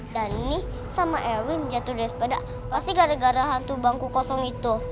dan nih sama elwin jatuh dari sepeda pasti gara gara hantu bangku kosong itu